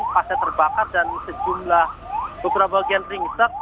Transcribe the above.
pas terbakar dan sejumlah beberapa bagian ringsek